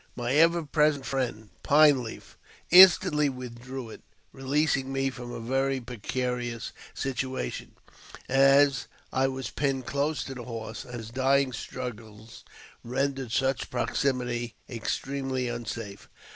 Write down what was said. My ever present friend, Pine Leaf, instantly withdrew it, releasing me from a very precarious situation, as I was pinned close to the horse, and his dying struggles rendered such proximity extremely unsafe.